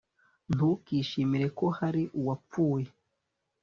ntukishimire ko hari uwapfuye